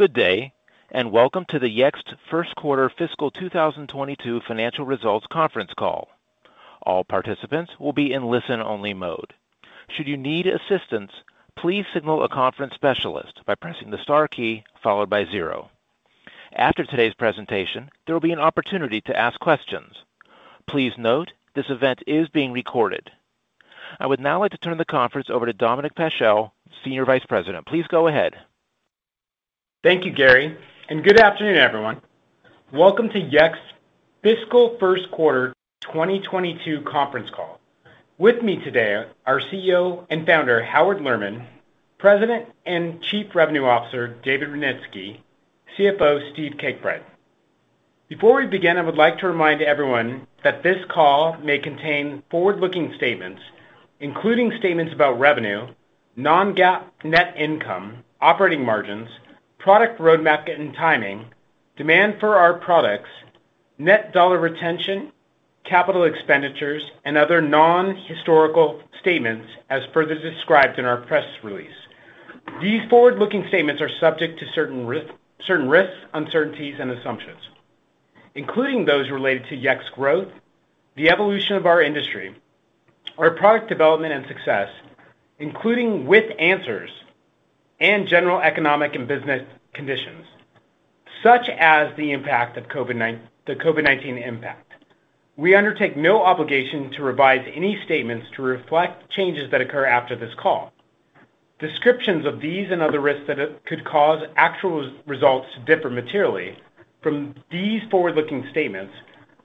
Good day, and welcome to the Yext first quarter fiscal 2022 financial results conference call. All participants will be in listen-only mode. Should you need assistance, please signal a conference specialist by pressing the star key followed by zero. After today's presentation, there will be an opportunity to ask questions. Please note, this event is being recorded. I would now like to turn the conference over to Dominic Paschel, Senior Vice President. Please go ahead. Thank you, Gary, and good afternoon, everyone. Welcome to Yext fiscal first quarter 2022 conference call. With me today, our CEO and founder, Howard Lerman, President and Chief Revenue Officer David Rudnitsky, CFO Steve Cakebread. Before we begin, I would like to remind everyone that this call may contain forward-looking statements, including statements about revenue, non-GAAP net income, operating margins, product roadmap and timing, demand for our products, net dollar retention, capital expenditures, and other non-historical statements, as further described in our press release. These forward-looking statements are subject to certain risks, uncertainties, and assumptions, including those related to Yext's growth, the evolution of our industry, our product development and success, including with Answers, and general economic and business conditions, such as the COVID-19 impact. We undertake no obligation to revise any statements to reflect changes that occur after this call. Descriptions of these and other risks that could cause actual results to differ materially from these forward-looking statements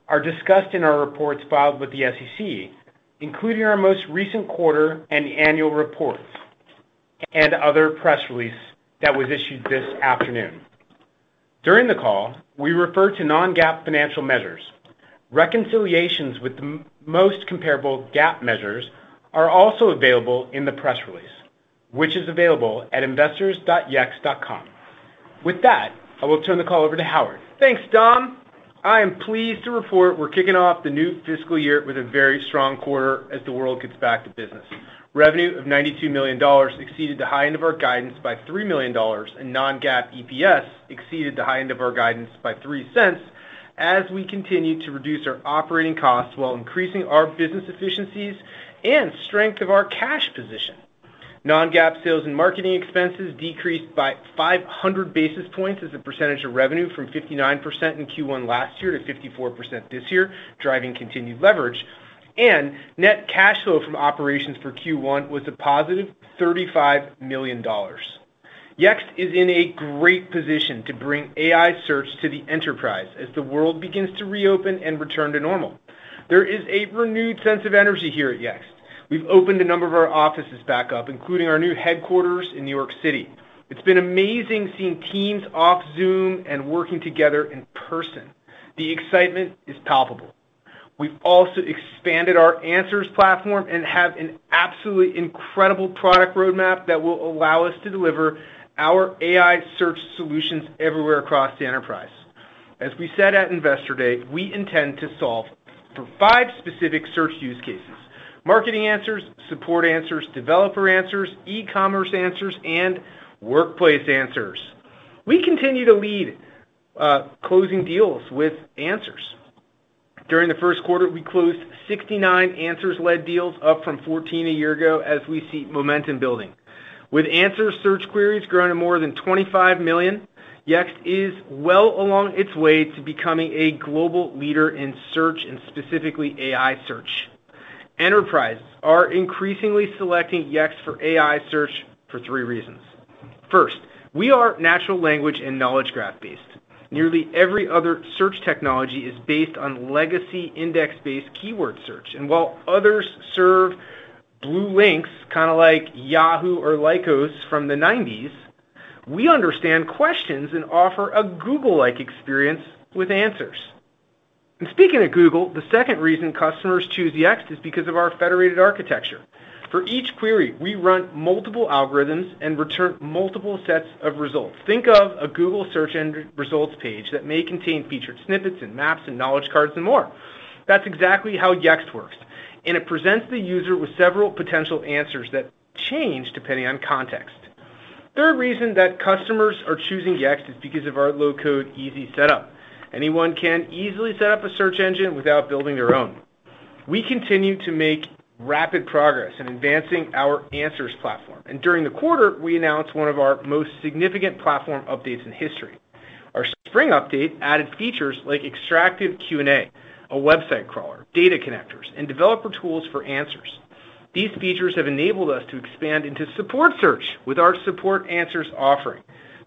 are discussed in our reports filed with the SEC, including our most recent quarter and annual reports and other press release that was issued this afternoon. During the call, we refer to non-GAAP financial measures. Reconciliations with the most comparable GAAP measures are also available in the press release, which is available at investors.yext.com. With that, I will turn the call over to Howard. Thanks, Dom. I am pleased to report we're kicking off the new fiscal year with a very strong quarter as the world gets back to business. Revenue of $92 million exceeded the high end of our guidance by $3 million, non-GAAP EPS exceeded the high end of our guidance by $0.03 as we continue to reduce our operating costs while increasing our business efficiencies and strength of our cash position. Non-GAAP sales and marketing expenses decreased by 500 basis points as a percentage of revenue from 59% in Q1 last year to 54% this year, driving continued leverage. Net cash flow from operations for Q1 was a positive $35 million. Yext is in a great position to bring AI search to the enterprise as the world begins to reopen and return to normal. There is a renewed sense of energy here at Yext. We've opened a number of our offices back up, including our new headquarters in New York City. It's been amazing seeing teams off Zoom and working together in person. The excitement is palpable. We've also expanded our Answers platform and have an absolutely incredible product roadmap that will allow us to deliver our AI search solutions everywhere across the enterprise. As we said at Investor Day, we intend to solve for five specific search use cases: Marketing Answers, Support Answers, Developer Answers, E-commerce Answers, and Workplace Answers. We continue to lead closing deals with Answers. During the first quarter, we closed 69 Answers-led deals, up from 14 a year ago as we see momentum building. With Answers search queries growing to more than 25 million, Yext is well along its way to becoming a global leader in search and specifically AI search. Enterprises are increasingly selecting Yext for AI search for three reasons. First, we are natural language and knowledge graph-based. Nearly every other search technology is based on legacy index-based keyword search. While others serve blue links, kind of like Yahoo or Lycos from the '90s, we understand questions and offer a Google-like experience with Answers. Speaking of Google, the second reason customers choose Yext is because of our federated architecture. For each query, we run multiple algorithms and return multiple sets of results. Think of a Google search end results page that may contain featured snippets and maps and knowledge cards and more. That's exactly how Yext works, and it presents the user with several potential answers that change depending on context. Third reason that customers are choosing Yext is because of our low-code easy setup. Anyone can easily set up a search engine without building their own. We continue to make rapid progress in advancing our Answers platform. During the quarter, we announced one of our most significant platform updates in history. Our spring update added features like extractive Q&A, a website crawler, data connectors, and developer tools for Answers. These features have enabled us to expand into support search with our Support Answers offering.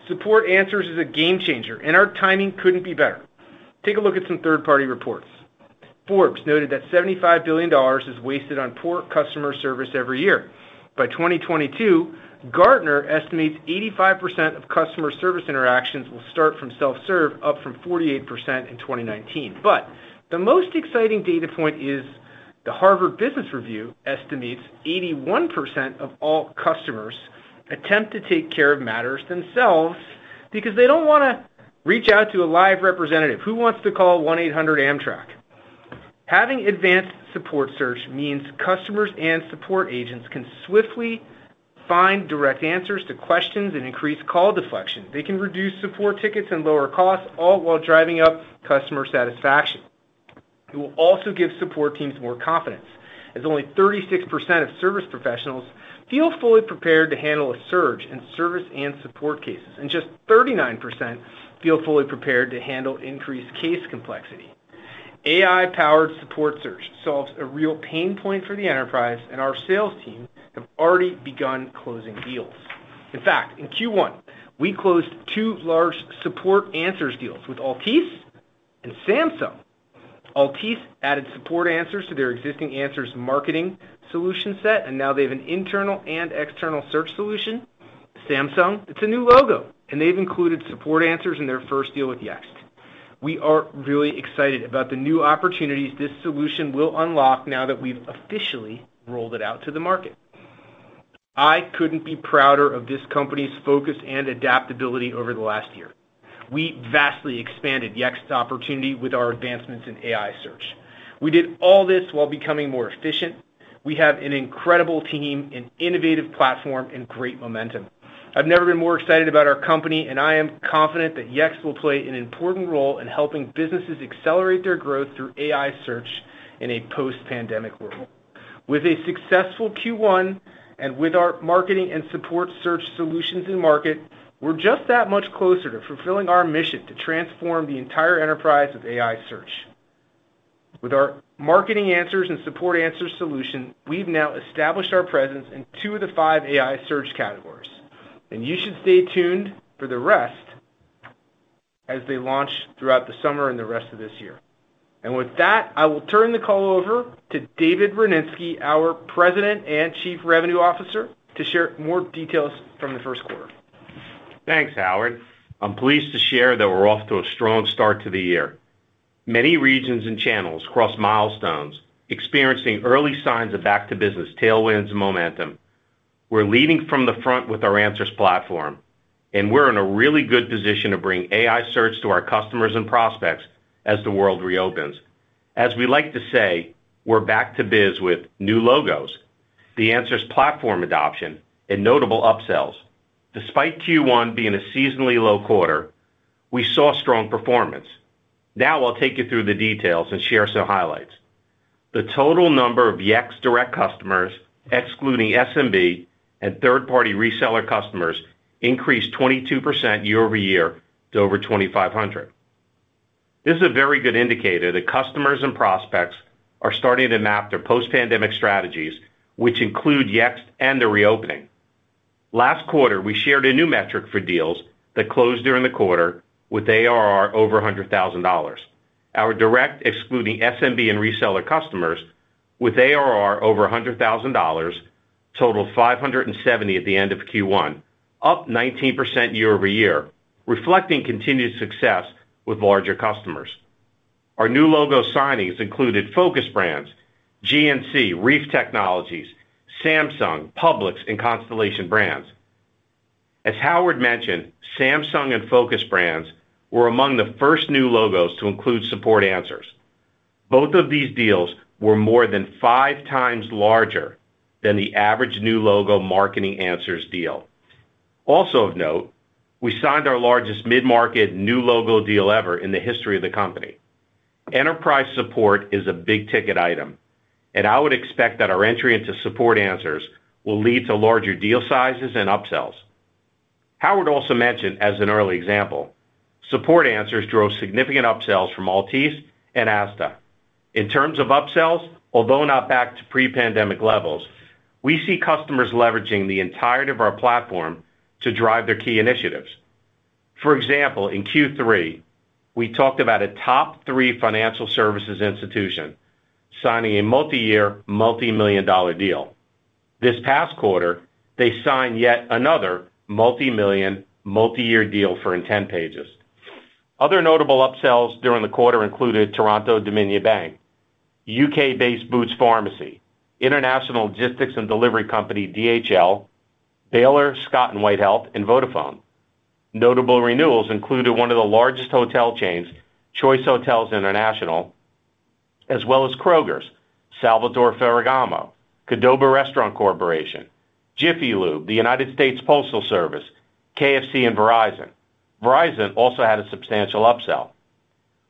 Support Answers is a game changer, and our timing couldn't be better. Take a look at some third-party reports. Forbes noted that $75 billion is wasted on poor customer service every year. By 2022, Gartner estimates 85% of customer service interactions will start from self-serve, up from 48% in 2019. The most exciting data point is the Harvard Business Review estimates 81% of all customers attempt to take care of matters themselves because they don't want to reach out to a live representative. Who wants to call 1-800-Amtrak? Having advanced support search means customers and support agents can swiftly find direct answers to questions and increase call deflection. They can reduce support tickets and lower costs, all while driving up customer satisfaction. It will also give support teams more confidence, as only 36% of service professionals feel fully prepared to handle a surge in service and support cases, and just 39% feel fully prepared to handle increased case complexity. AI-powered support search solves a real pain point for the enterprise, and our sales team have already begun closing deals. In fact, in Q1, we closed two large Support Answers deals with Altice and Samsung. Altice added Support Answers to their existing Marketing Answers solution set, and now they have an internal and external search solution. Samsung, it's a new logo, and they've included Support Answers in their first deal with Yext. We are really excited about the new opportunities this solution will unlock now that we've officially rolled it out to the market. I couldn't be prouder of this company's focus and adaptability over the last year. We vastly expanded Yext opportunity with our advancements in AI search. We did all this while becoming more efficient. We have an incredible team, an innovative platform, and great momentum. I've never been more excited about our company, and I am confident that Yext will play an important role in helping businesses accelerate their growth through AI search in a post-pandemic world. With a successful Q1 and with our marketing and support search solutions in market, we're just that much closer to fulfilling our mission to transform the entire enterprise with AI search. With our Marketing Answers and Support Answers solution, we've now established our presence in two of the five AI search categories, and you should stay tuned for the rest as they launch throughout the summer and the rest of this year. With that, I will turn the call over to David Rudnitsky, our President and Chief Revenue Officer, to share more details from the first quarter. Thanks, Howard. I'm pleased to share that we're off to a strong start to the year. Many regions and channels crossed milestones, experiencing early signs of back-to-business tailwinds and momentum. We're leading from the front with our Answers platform. We're in a really good position to bring AI search to our customers and prospects as the world reopens. As we like to say, we're back to biz with new logos, the Answers platform adoption, and notable upsells. Despite Q1 being a seasonally low quarter, we saw strong performance. I'll take you through the details and share some highlights. The total number of Yext direct customers, excluding SMB and third-party reseller customers, increased 22% year-over-year to over 2,500. This is a very good indicator that customers and prospects are starting to map their post-pandemic strategies, which include Yext and their reopening. Last quarter, we shared a new metric for deals that closed during the quarter with ARR over $100,000. Our direct excluding SMB and reseller customers with ARR over $100,000 totaled 570 at the end of Q1, up 19% year-over-year, reflecting continued success with larger customers. Our new logo signings included Focus Brands, GNC, REEF Technology, Samsung, Publix, and Constellation Brands. As Howard mentioned, Samsung and Focus Brands were among the first new logos to include Support Answers. Both of these deals were more than five times larger than the average new logo Marketing Answers deal. Also of note, we signed our largest mid-market new logo deal ever in the history of the company. I would expect that our entry into Support Answers will lead to larger deal sizes and upsells. Howard also mentioned, as an early example, Support Answers drove significant upsells from Altice and Asda. In terms of upsells, although not back to pre-pandemic levels, we see customers leveraging the entirety of our platform to drive their key initiatives. For example, in Q3, we talked about a top three financial services institution signing a multi-year, multi-million dollar deal. This past quarter, they signed yet another multi-million, multi-year deal for Yext Pages. Other notable upsells during the quarter included Toronto-Dominion Bank, U.K.-based Boots Pharmacy, international logistics and delivery company DHL, Baylor Scott & White Health, and Vodafone. Notable renewals included one of the largest hotel chains, Choice Hotels International, as well as Kroger's, Salvatore Ferragamo, Qdoba Restaurant Corporation, Jiffy Lube, the United States Postal Service, KFC, and Verizon. Verizon also had a substantial upsell.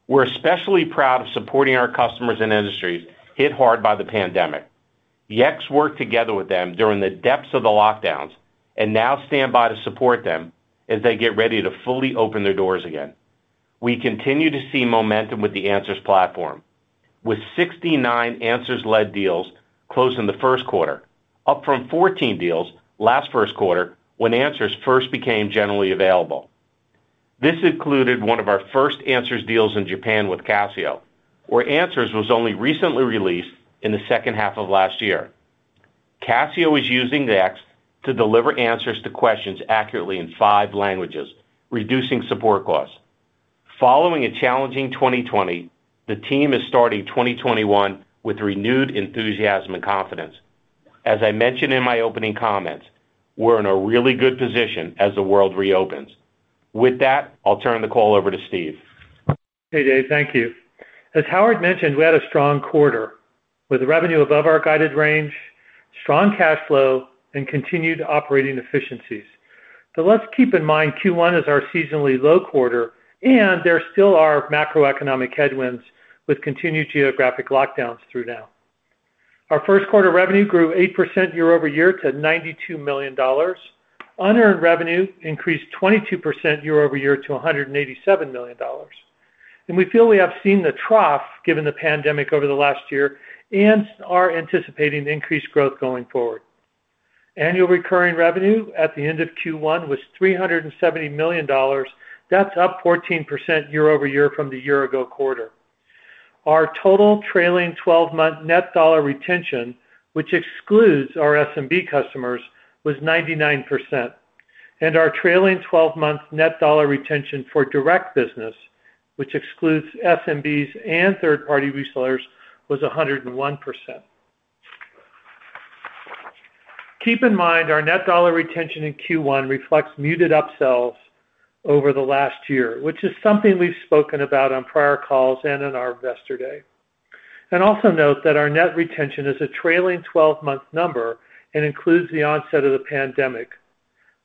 We're especially proud of supporting our customers and industries hit hard by the pandemic. Yext worked together with them during the depths of the lockdowns and now stand by to support them as they get ready to fully open their doors again. We continue to see momentum with the Answers platform, with 69 Answers-led deals closed in the first quarter, up from 14 deals last first quarter when Answers first became generally available. This included one of our first Answers deals in Japan with Casio, where Answers was only recently released in the second half of last year. Casio is using Yext to deliver answers to questions accurately in five languages, reducing support costs. Following a challenging 2020, the team is starting 2021 with renewed enthusiasm and confidence. As I mentioned in my opening comments, we're in a really good position as the world reopens. With that, I'll turn the call over to Steve. Hey, Dave. Thank you. As Howard mentioned, we had a strong quarter with revenue above our guided range, strong cash flow, and continued operating efficiencies. Let's keep in mind Q1 is our seasonally low quarter, and there still are macroeconomic headwinds with continued geographic lockdowns through now. Our first quarter revenue grew 8% year-over-year to $92 million. Unearned revenue increased 22% year-over-year to $187 million. We feel we have seen the trough given the pandemic over the last year and are anticipating increased growth going forward. Annual recurring revenue at the end of Q1 was $370 million. That's up 14% year-over-year from the year ago quarter. Our total trailing 12-month net dollar retention, which excludes our SMB customers, was 99%, and our trailing 12-month net dollar retention for direct business, which excludes SMBs and third-party resellers, was 101%. Keep in mind our net dollar retention in Q1 reflects muted upsells over the last year, which is something we've spoken about on prior calls and in our investor day. Also note that our net retention is a trailing 12-month number and includes the onset of the pandemic.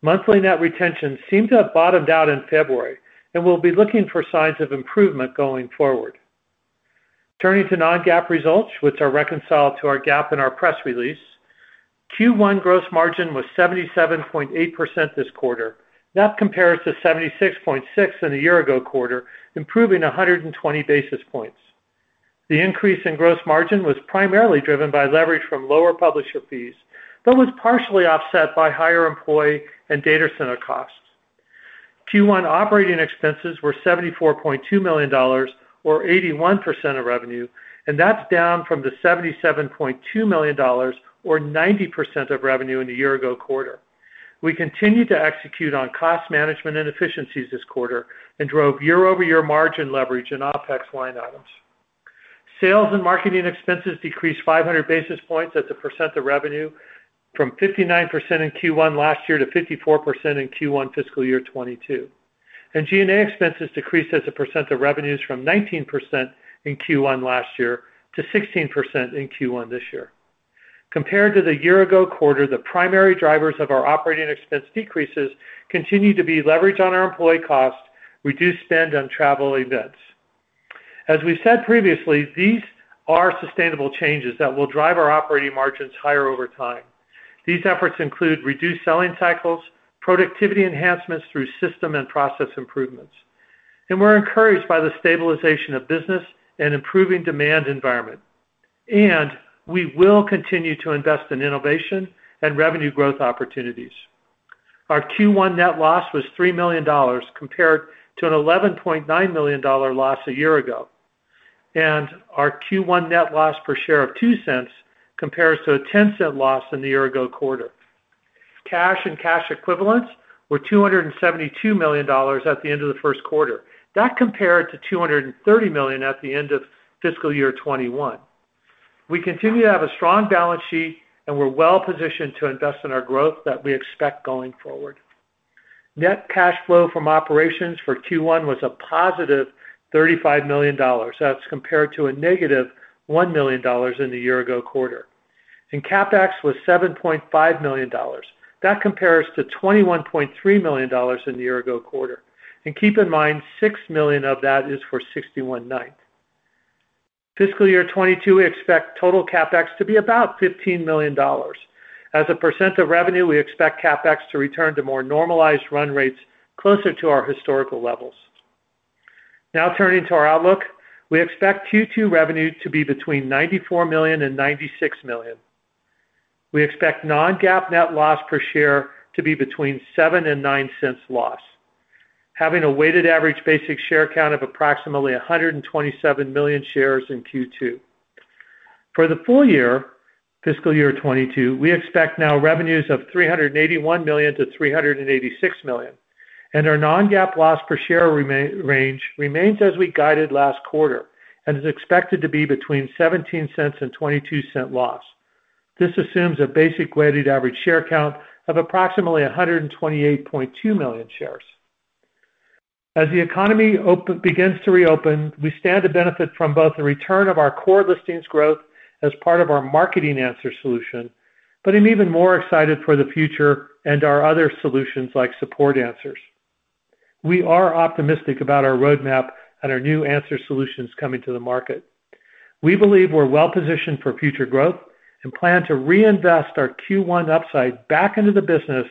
Monthly net retention seemed to have bottomed out in February, and we'll be looking for signs of improvement going forward. Turning to non-GAAP results, which are reconciled to our GAAP in our press release. Q1 gross margin was 77.8% this quarter. That compares to 76.6% in the year ago quarter, improving 120 basis points. The increase in gross margin was primarily driven by leverage from lower publisher fees, but was partially offset by higher employee and data center costs. Q1 operating expenses were $74.2 million, or 81% of revenue. That's down from the $77.2 million, or 90% of revenue in the year-ago quarter. We continued to execute on cost management and efficiencies this quarter and drove year-over-year margin leverage in OpEx line items. Sales and marketing expenses decreased 500 basis points as a % of revenue from 59% in Q1 last year to 54% in Q1 fiscal year 2022. G&A expenses decreased as a % of revenues from 19% in Q1 last year to 16% in Q1 this year. Compared to the year-ago quarter, the primary drivers of our operating expense decreases continue to be leverage on our employee costs, reduced spend on travel events. As we said previously, these are sustainable changes that will drive our operating margins higher over time. These efforts include reduced selling cycles, productivity enhancements through system and process improvements. We're encouraged by the stabilization of business and improving demand environment. We will continue to invest in innovation and revenue growth opportunities. Our Q1 net loss was $3 million compared to an $11.9 million loss a year ago, and our Q1 net loss per share of $0.02 compares to a $0.10 loss in the year ago quarter. Cash and cash equivalents were $272 million at the end of the first quarter. That compared to $230 million at the end of fiscal year 2021. We continue to have a strong balance sheet, and we're well-positioned to invest in our growth that we expect going forward. Net cash flow from operations for Q1 was a positive $35 million. That's compared to a -$1 million in the year ago quarter. CapEx was $7.5 million. That compares to $21.3 million in the year ago quarter. Keep in mind, $6 million of that is for 61 N. Fiscal year 2022, we expect total CapEx to be about $15 million. As a percent of revenue, we expect CapEx to return to more normalized run rates closer to our historical levels. Now turning to our outlook. We expect Q2 revenue to be between $94 million and $96 million. We expect non-GAAP net loss per share to be between $0.07 and $0.09 loss, having a weighted average basic share count of approximately 127 million shares in Q2. For the full year, fiscal year 2022, we expect now revenues of $381 million-$386 million, and our non-GAAP loss per share range remains as we guided last quarter and is expected to be between $0.17 and $0.22 loss. This assumes a basic weighted average share count of approximately 128.2 million shares. As the economy begins to reopen, we stand to benefit from both the return of our core listings growth as part of our Marketing Answers solution, but I'm even more excited for the future and our other solutions like Support Answers. We are optimistic about our roadmap and our new Answer solutions coming to the market. We believe we're well-positioned for future growth and plan to reinvest our Q1 upside back into the business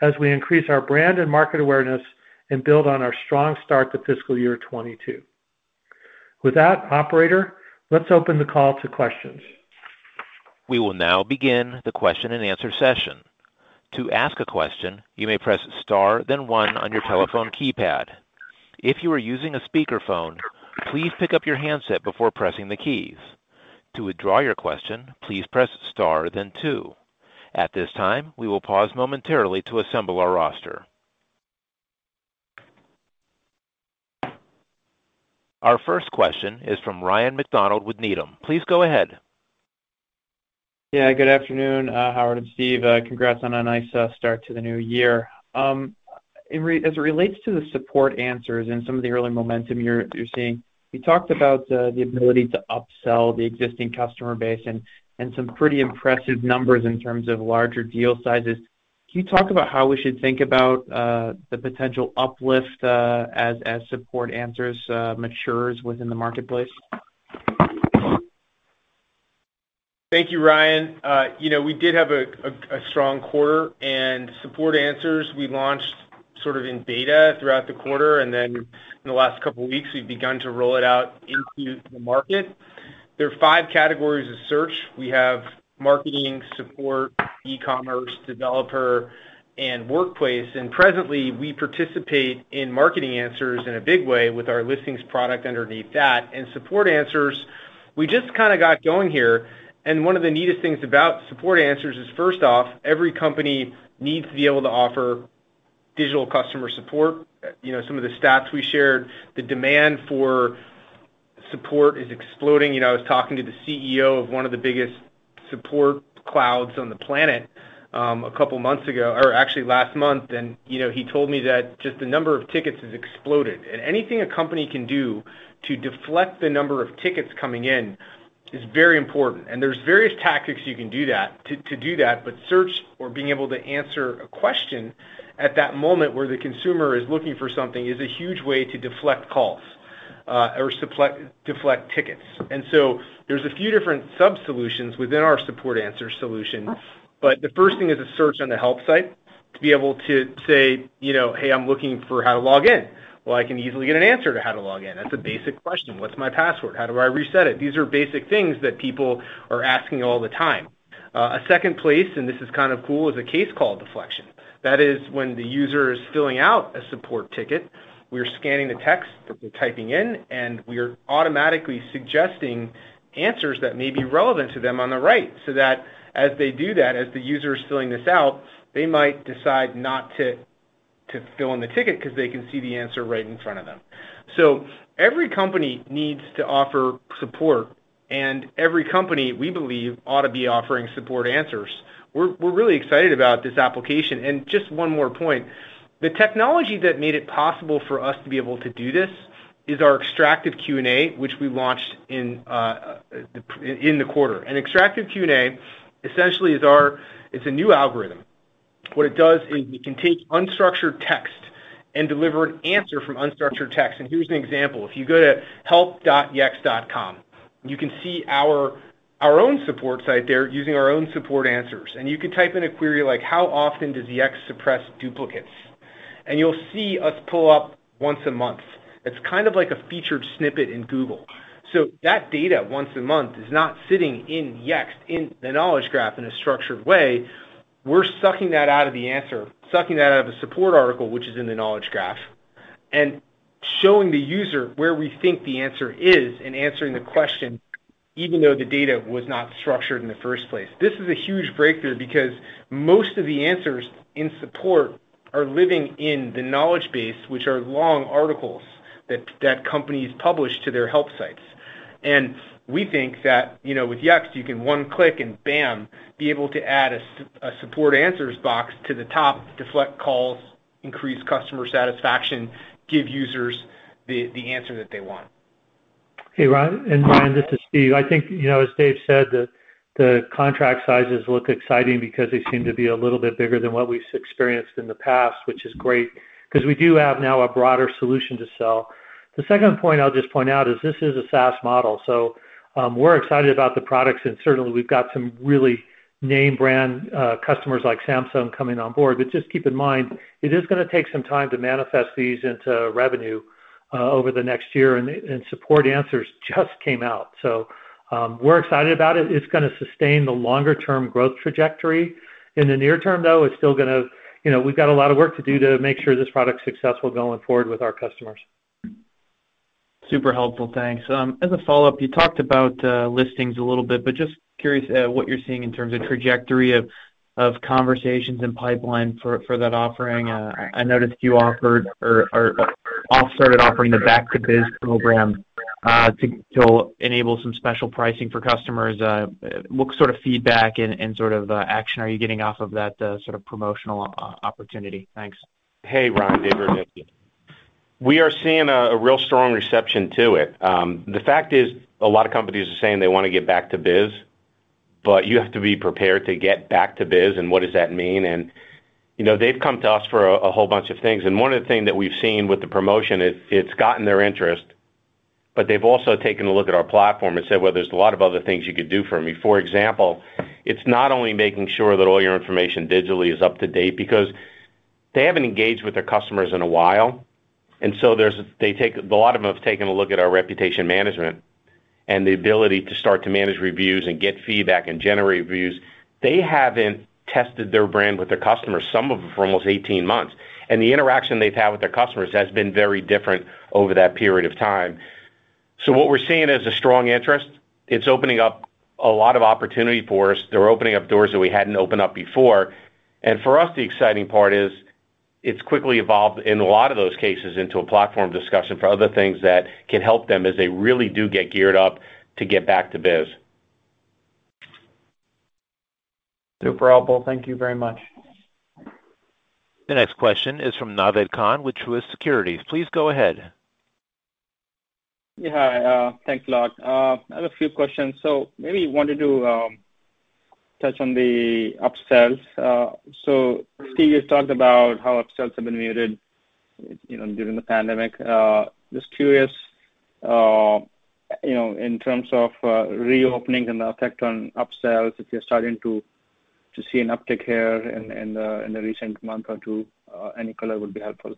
as we increase our brand and market awareness and build on our strong start to fiscal year 2022. With that, operator, let's open the call to questions. We will now begin the question and answer session. To ask a question, you may press star then one on your telephone keypad. If you are using a speakerphone, please pick up your handset before pressing the keys. To withdraw your question, please press star then two. At this time, we will pause momentarily to assemble our roster. Our first question is from Ryan MacDonald with Needham. Please go ahead. Yeah. Good afternoon, Howard and Steve. Congrats on a nice start to the new year. As it relates to the Support Answers and some of the early momentum you're seeing, you talked about the ability to upsell the existing customer base and some pretty impressive numbers in terms of larger deal sizes. Can you talk about how we should think about the potential uplift as Support Answers matures within the marketplace? Thank you, Ryan. We did have a strong quarter and Support Answers we launched sort of in beta throughout the quarter, and then in the last couple of weeks, we've begun to roll it out into the market. There are five categories of search. We have Marketing, Support, E-commerce, Developer, and Workplace. Presently, we participate in Marketing Answers in a big way with our listings product underneath that. Support Answers, we just kind of got going here. One of the neatest things about Support Answers is, first off, every company needs to be able to offer digital customer support. Some of the stats we shared, the demand for support is exploding. I was talking to the CEO of one of the biggest support clouds on the planet a couple months ago, or actually last month, and he told me that just the number of tickets has exploded. Anything a company can do to deflect the number of tickets coming in is very important. There's various tactics you can do that. Search or being able to answer a question at that moment where the consumer is looking for something is a huge way to deflect calls or deflect tickets. There's a few different sub-solutions within our Support Answers solution, but the first thing is a search on a help site to be able to say, "Hey, I'm looking for how to log in." Well, I can easily get an answer to how to log in. That's a basic question. What's my password? How do I reset it? These are basic things that people are asking all the time. A second place, and this is kind of cool, is a case call deflection. That is when the user is filling out a support ticket. We're scanning the text that they're typing in, and we are automatically suggesting answers that may be relevant to them on the right, so that as they do that, as the user is filling this out, they might decide not to fill in the ticket because they can see the answer right in front of them. Every company needs to offer support, and every company, we believe, ought to be offering Support Answers. We're really excited about this application. Just one more point. The technology that made it possible for us to be able to do this is our extractive Q&A, which we launched in the quarter. Extractive Q&A essentially is a new algorithm. What it does is it can take unstructured text and deliver an answer from unstructured text. Here's an example. If you go to help.yext.com, you can see our own support site there using our own Support Answers. You can type in a query like how often does Yext suppress duplicates? You'll see us pull up once a month. It's kind of like a featured snippet in Google. That data once a month is not sitting in Yext in the knowledge graph in a structured way. We're sucking that out of the answer, sucking that out of a support article, which is in the knowledge graph, and showing the user where we think the answer is and answering the question, even though the data was not structured in the first place. This is a huge breakthrough because most of the answers in support are living in the knowledge base, which are long articles that companies publish to their help sites. We think that with Yext, you can one click and bam, be able to add a Support Answers box to the top, deflect calls, increase customer satisfaction, give users the answer that they want. Hey, Ryan, and Ryan, this is Steve. I think, as Dave said, the contract sizes look exciting because they seem to be a little bit bigger than what we've experienced in the past, which is great because we do have now a broader solution to sell. The second point I'll just point out is this is a SaaS model. We're excited about the products, and certainly, we've got some really name brand customers like Samsung coming on board. Just keep in mind, it is going to take some time to manifest these into revenue over the next year, and Support Answers just came out. We're excited about it. It's going to sustain the longer-term growth trajectory. In the near term, though, we've got a lot of work to do to make sure this product's successful going forward with our customers. Super helpful. Thanks. As a follow-up, you talked about listings a little bit, but just curious what you're seeing in terms of trajectory of conversations and pipeline for that offering. I noticed you offered or started offering the back-to-biz program to enable some special pricing for customers. What sort of feedback and sort of action are you getting off of that sort of promotional opportunity? Thanks. Hey, Ryan. Dave here. We are seeing a real strong reception to it. The fact is, a lot of companies are saying they want to get back to biz, but you have to be prepared to get back to biz. What does that mean? They've come to us for a whole bunch of things, and one of the things that we've seen with the promotion is it's gotten their interest, but they've also taken a look at our platform and said, "Well, there's a lot of other things you could do for me." For example, it's not only making sure that all your information digitally is up to date because they haven't engaged with their customers in a while, and so a lot of them have taken a look at our reputation management and the ability to start to manage reviews and get feedback and generate reviews. They haven't tested their brand with their customers, some of them for almost 18 months. The interaction they've had with their customers has been very different over that period of time. What we're seeing is a strong interest. It's opening up a lot of opportunity for us. They're opening up doors that we hadn't opened up before. For us, the exciting part is. It's quickly evolved in a lot of those cases into a platform discussion for other things that can help them as they really do get geared up to get back to biz. Super helpful. Thank you very much. The next question is from Naved Khan with Truist Securities. Please go ahead. Yeah. Thanks a lot. I have a few questions. Maybe I wanted to touch on the upsells. Steve, you talked about how upsells have been muted during the pandemic. Just curious, in terms of reopening and the effect on upsells, if you're starting to see an uptick here in the recent month or two, any color would be helpful.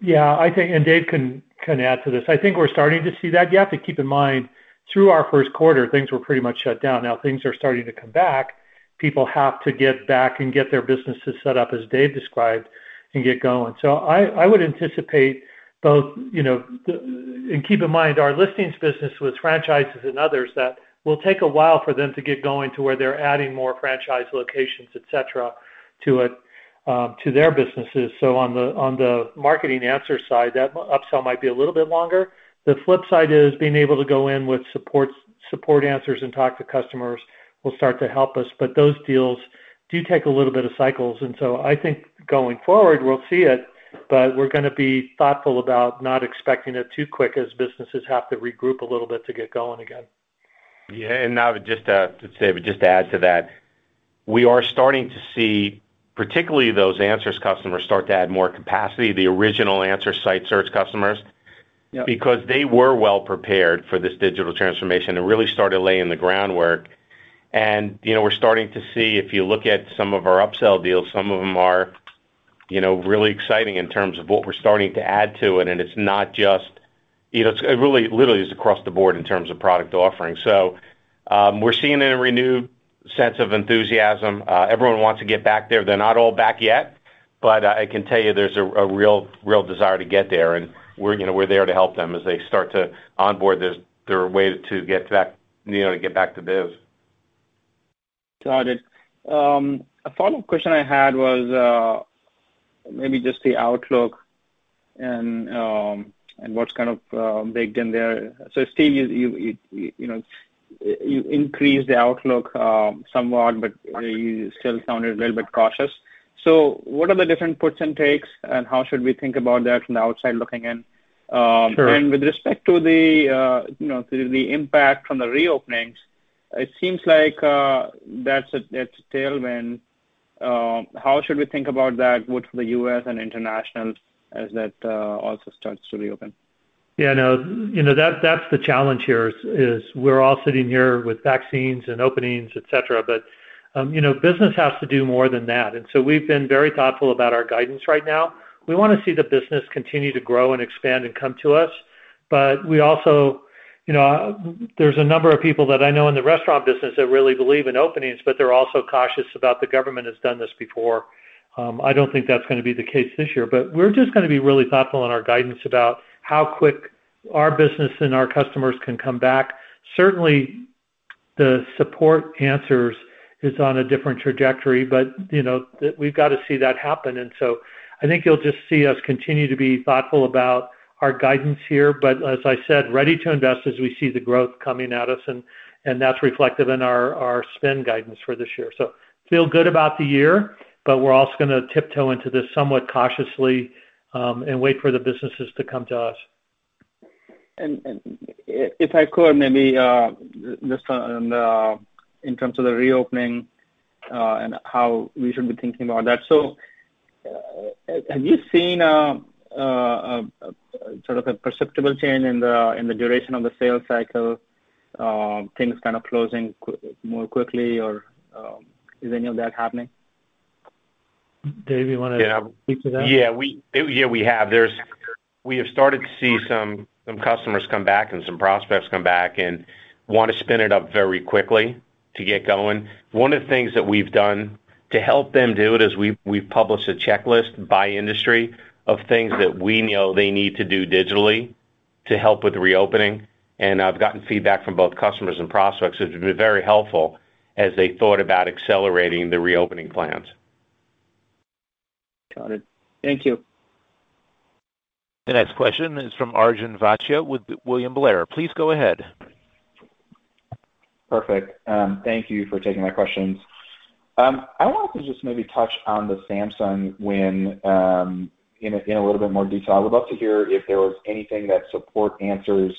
Yeah, Dave can add to this. I think we are starting to see that. You have to keep in mind, through our first quarter, things were pretty much shut down. Now things are starting to come back. People have to get back and get their businesses set up, as Dave described, and get going. I would anticipate both. Keep in mind, our listings business with franchises and others, that will take a while for them to get going to where they are adding more franchise locations, et cetera, to their businesses. On the Marketing Answers side, that up-sell might be a little bit longer. The flip side is being able to go in with Support Answers and talk to customers will start to help us, but those deals do take a little bit of cycles, and so I think going forward, we'll see it, but we're going to be thoughtful about not expecting it too quick as businesses have to regroup a little bit to get going again. Yeah. Naved, just to add to that, we are starting to see particularly those Answers customers start to add more capacity, the original Answer site search customers- Yep. because they were well-prepared for this digital transformation and really started laying the groundwork. We're starting to see if you look at some of our up-sell deals, some of them are really exciting in terms of what we're starting to add to it literally is across the board in terms of product offering. We're seeing a renewed sense of enthusiasm. Everyone wants to get back there. They're not all back yet, but I can tell you there's a real desire to get there, and we're there to help them as they start to onboard their way to get back to biz. Got it. A follow-up question I had was maybe just the outlook and what's kind of baked in there. Steve, you increased the outlook somewhat, but you still sounded a little bit cautious. What are the different puts and takes, and how should we think about that from the outside looking in? Sure. With respect to the impact on the reopenings, it seems like that's a tailwind. How should we think about that both for the U.S. and international as that also starts to reopen? Yeah, no. That's the challenge here is we're all sitting here with vaccines and openings, et cetera, but business has to do more than that. We've been very thoughtful about our guidance right now. We want to see the business continue to grow and expand and come to us. There's a number of people that I know in the restaurant business that really believe in openings, but they're also cautious about the government has done this before. I don't think that's going to be the case this year, but we're just going to be really thoughtful in our guidance about how quick our business and our customers can come back. Certainly, the Support Answers is on a different trajectory, but we've got to see that happen. I think you'll just see us continue to be thoughtful about our guidance here, but as I said, ready to invest as we see the growth coming at us, and that's reflected in our spend guidance for this year. Feel good about the year, but we're also going to tiptoe into this somewhat cautiously and wait for the businesses to come to us. If I could maybe just on in terms of the reopening and how we should be thinking about that. Have you seen a sort of a perceptible change in the duration of the sales cycle, things kind of closing more quickly or is any of that happening? Dave, you want to speak to that? Yeah, we have started to see some customers come back and some prospects come back and want to spin it up very quickly to get going. One of the things that we've done to help them do it is we've published a checklist by industry of things that we know they need to do digitally to help with reopening. I've gotten feedback from both customers and prospects that it's been very helpful as they thought about accelerating their reopening plans. Got it. Thank you. The next question is from Arjun Bhatia with William Blair. Please go ahead. Perfect. Thank you for taking my questions. I wanted to just maybe touch on the Samsung in a little bit more detail. I'd love to hear if there was anything that Support Answers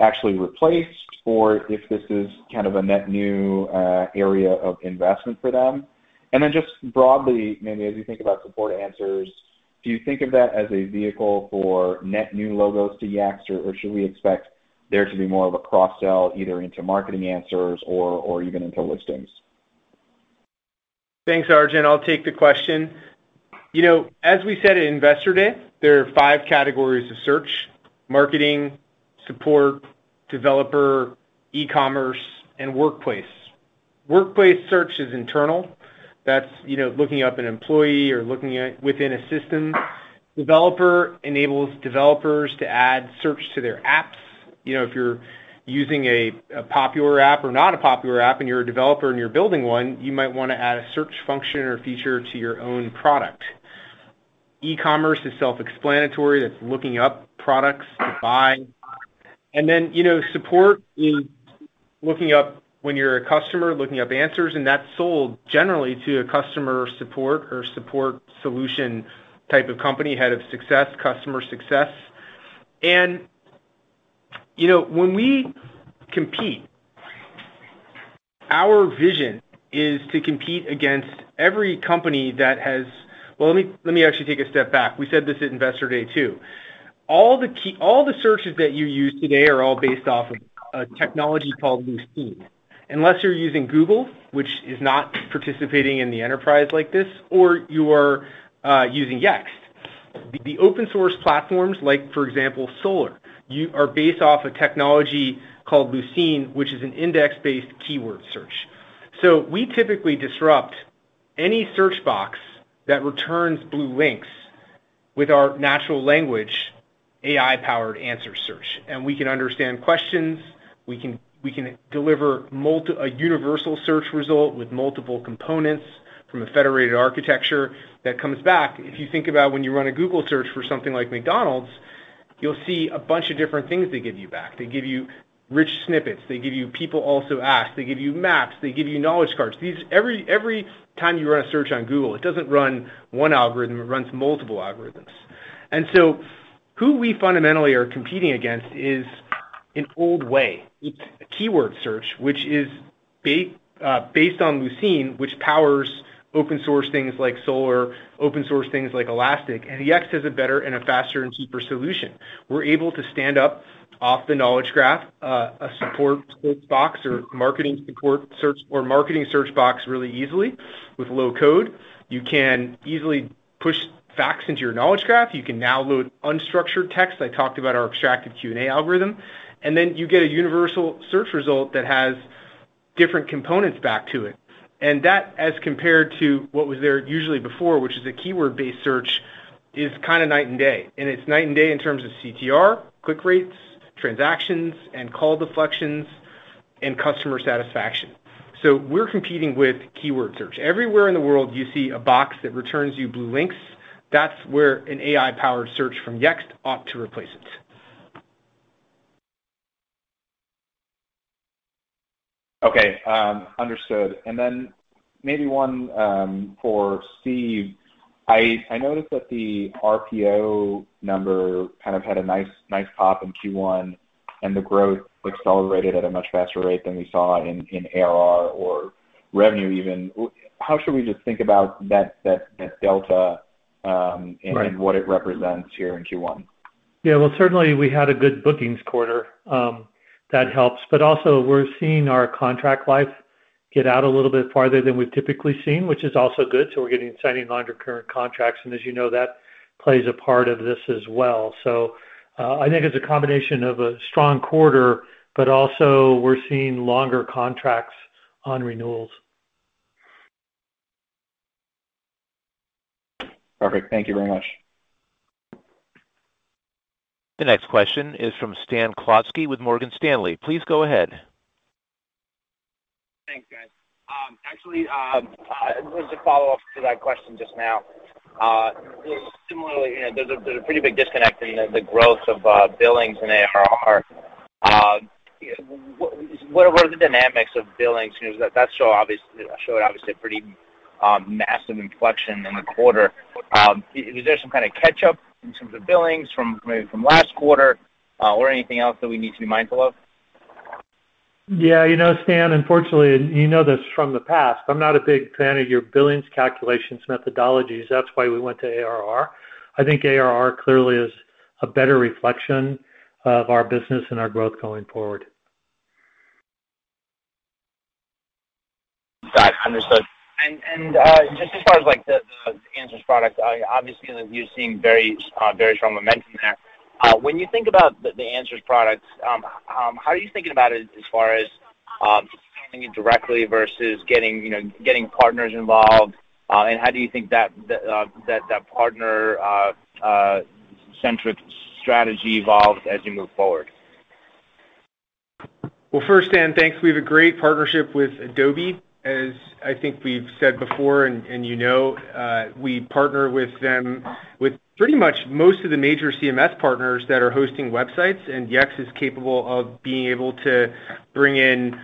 actually replaced or if this is kind of a net new area of investment for them. Then just broadly, maybe as you think about Support Answers, do you think of that as a vehicle for net new logos to Yext, or should we expect there to be more of a cross-sell either into Marketing Answers or even into Listings? Thanks, Arjun. I'll take the question. As we said at Investor Day, there are five categories of search: marketing, support, developer, e-commerce, and workplace. Workplace search is internal. That's looking up an employee or looking within a system. Developer enables developers to add search to their apps. If you're using a popular app or not a popular app, and you're a developer and you're building one, you might want to add a search function or feature to your own product. E-commerce is self-explanatory. That's looking up products to buy. Support is when you're a customer, looking up answers, and that's sold generally to a customer support or support solution type of company, head of success, customer success. When we compete, our vision is to compete against every company. Well, let me actually take a step back. We said this at Investor Day, too. All the searches that you use today are all based off of a technology called Lucene. Unless you're using Google, which is not participating in the enterprise like this, or you are using Yext. The open source platforms, like for example, Solr, are based off a technology called Lucene, which is an index-based keyword search. We typically disrupt any search box that returns blue links with our natural language AI-powered answer search. We can understand questions, we can deliver a universal search result with multiple components from a federated architecture that comes back. If you think about when you run a Google search for something like McDonald's, you'll see a bunch of different things they give you back. They give you rich snippets. They give you People Also Ask. They give you maps. They give you knowledge cards. Every time you run a search on Google, it doesn't run one algorithm, it runs multiple algorithms. Who we fundamentally are competing against is an old way. It's keyword search, which is based on Lucene, which powers open source things like Solr, open source things like Elasticsearch. Yext has a better and a faster and cheaper solution. We're able to stand up off the knowledge graph, a support box or marketing support search or marketing search box really easily with low code. You can easily push facts into your knowledge graph. You can now load unstructured text. I talked about our extractive Q&A algorithm. Then you get a universal search result that has different components back to it. That, as compared to what was there usually before, which is a keyword-based search, is night and day. It's night and day in terms of CTR, click rates, transactions, and call deflections and customer satisfaction. We're competing with keyword search. Everywhere in the world, you see a box that returns you blue links, that's where an AI-powered search from Yext ought to replace it. Okay. Understood. Maybe one for Steve. I noticed that the RPO number had a nice pop in Q1, and the growth accelerated at a much faster rate than we saw in ARR or revenue even. How should we just think about that delta? Right What it represents here in Q1? Certainly, we had a good bookings quarter. That helps. Also, we're seeing our contract life get out a little bit farther than we've typically seen, which is also good. We're getting signing longer current contracts, and as you know, that plays a part of this as well. I think it's a combination of a strong quarter, but also we're seeing longer contracts on renewals. Perfect. Thank you very much. The next question is from Stan Zlotsky with Morgan Stanley. Please go ahead. Thanks, guys. Actually, just a follow-up to that question just now. There's a pretty big disconnect between the growth of billings and ARR. What are the dynamics of billings? Showed obviously pretty massive inflection in the quarter. Is there some kind of catch-up in terms of billings from maybe from last quarter or anything else that we need to be mindful of? Yeah. Stan, unfortunately, you know this from the past, I'm not a big fan of your billings calculations methodologies. That's why we went to ARR. I think ARR clearly is a better reflection of our business and our growth going forward. Got it. Understood. Just as far as the Answers product, obviously, you're seeing very strong momentum there. When you think about the Answers products, how are you thinking about it as far as selling it directly versus getting partners involved? How do you think that partner-centric strategy evolves as you move forward? Well, first, Stan, thanks. We have a great partnership with Adobe, as I think we've said before, and you know. We partner with them with pretty much most of the major CMS partners that are hosting websites, and Yext is capable of being able to bring in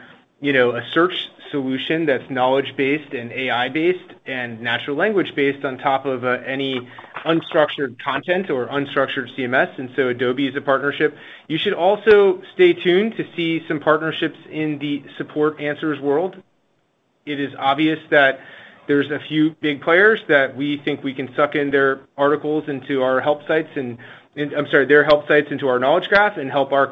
a search solution that's knowledge-based and AI-based and natural language-based on top of any unstructured content or unstructured CMS. So Adobe is a partnership. You should also stay tuned to see some partnerships in the Support Answers world. It is obvious that there's a few big players that we think we can suck in their help sites into our knowledge graph and help our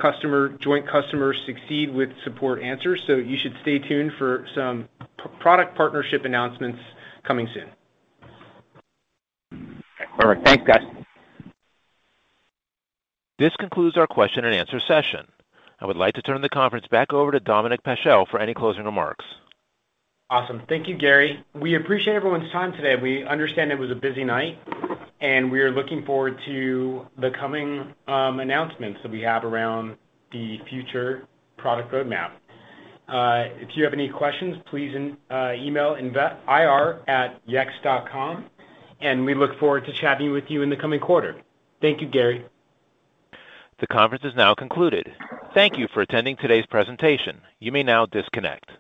joint customers succeed with Support Answers. You should stay tuned for some product partnership announcements coming soon. All right. Thanks, guys. This concludes our question and answer session. I would like to turn the conference back over to Dominic Paschel for any closing remarks. Awesome. Thank you, Gary. We appreciate everyone's time today. We understand it was a busy night, and we are looking forward to the coming announcements that we have around the future product roadmap. If you have any questions, please email ir@yext.com, and we look forward to chatting with you in the coming quarter. Thank you, Gary. The conference is now concluded. Thank you for attending today's presentation. You may now disconnect.